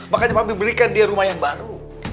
makanya pami berikan dia rumah yang baru